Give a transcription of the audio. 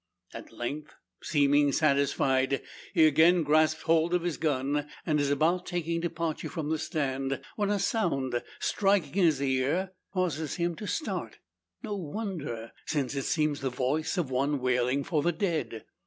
At length seeming satisfied, he again grasps hold of his gun; and is about taking departure from the place, when a sound, striking his ear, causes him to start. No wonder, since it seems the voice of one wailing for the dead!